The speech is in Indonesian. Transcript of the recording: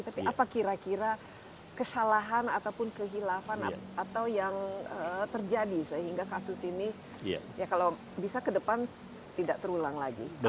tapi apa kira kira kesalahan ataupun kehilafan atau yang terjadi sehingga kasus ini ya kalau bisa ke depan tidak terulang lagi